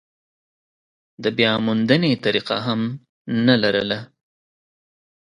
د بیاموندنې طریقه هم نه لرله.